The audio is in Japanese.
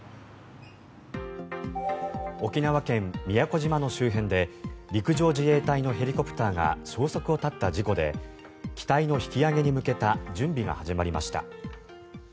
沖縄県・宮古島の周辺で陸上自衛隊のヘリコプターが消息を絶った事故で機体の引き揚げに向けた準備が始まりました。